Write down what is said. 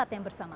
ketiga punya mpp